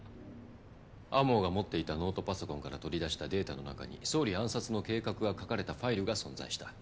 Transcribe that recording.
天羽が持っていたノートパソコンから取り出したデータの中に総理暗殺の計画が書かれたファイルが存在した。